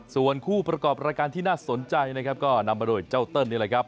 ส่วนคู่ประกอบรายการที่น่าสนใจนะครับก็นำมาโดยเจ้าเติ้ลนี่แหละครับ